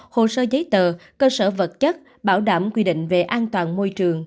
hồ sơ giấy tờ cơ sở vật chất bảo đảm quy định về an toàn môi trường